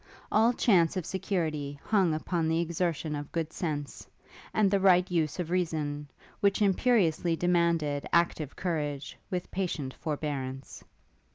All chance of security hung upon the exertion of good sense, and the right use of reason, which imperiously demanded active courage with patient forbearance.